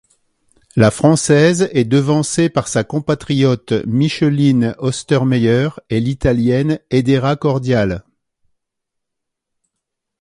La Française est devancée par sa compatriote Micheline Ostermeyer et l'Italienne Edera Cordiale.